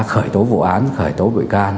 khởi tố vụ án khởi tố bụi can